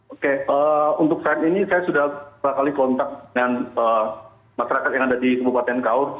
oke untuk saat ini saya sudah berapa kali kontak dengan masyarakat yang ada di kabupaten kaur